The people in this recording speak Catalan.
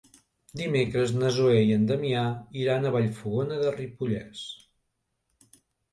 Dimecres na Zoè i en Damià iran a Vallfogona de Ripollès.